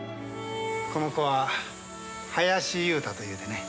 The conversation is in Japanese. この子は林雄太というてね。